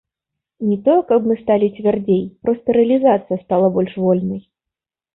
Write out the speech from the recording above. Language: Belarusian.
Не тое, каб мы сталі цвярдзей, проста рэалізацыя стала больш вольнай.